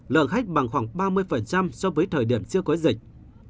lợn khách bằng khoảng ba mươi so với thời điểm trước cuối dịch